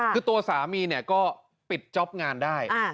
คือตัวสามีเนี่ยก็ปิดจ๊อปงานได้